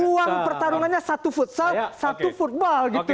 ruang pertarungannya satu futsal satu futbal gitu